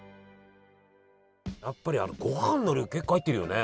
やっぱりごはんの量結構入ってるよね。